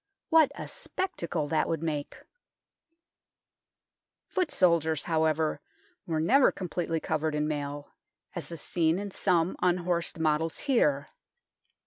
What a spectacle that would make ! Foot soldiers, however, were never com pletely covered in mail, as is seen in some unhorsed models here.